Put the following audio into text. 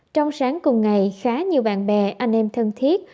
trong sáng cùng ngày khá nhiều bạn bè anh em thân thiết